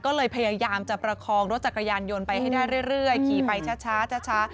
ก็เลยพยายามจะประคองรถจักรยานยนต์ไปให้ได้เรื่อยขี่ไปช้า